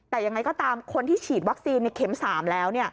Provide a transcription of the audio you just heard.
แต่ยังไงก็ตามคนที่ฉีดวัคซีนในเข็ม๓แล้ว